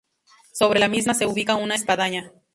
Sobre la misma se ubica una espadaña.